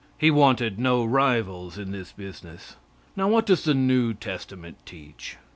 He wanted no rivals in this business. Now what does the new testament teach?